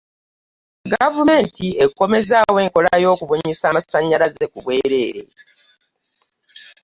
Gavumenti ekomezzaawo enkola y'okubunyisa masannyalaze ku bwereere